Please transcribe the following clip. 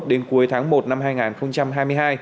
đến cuối tháng một năm hai nghìn hai mươi hai